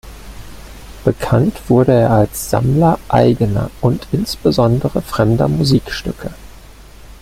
Bekannt wurde er als Sammler eigener und insbesondere fremder Musikstücke.